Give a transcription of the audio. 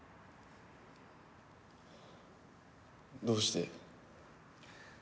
どうして？